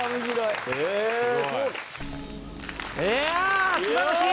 いや素晴らしい！